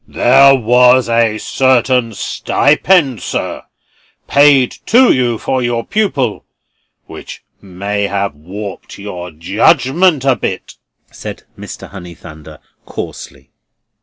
"There was a certain stipend, sir, paid to you for your pupil, which may have warped your judgment a bit," said Mr. Honeythunder, coarsely.